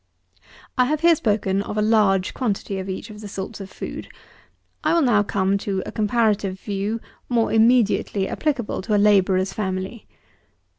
80. I have here spoken of a large quantity of each of the sorts of food. I will now come to a comparative view, more immediately applicable to a labourer's family.